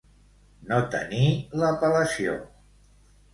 No tenir l'apel·lació.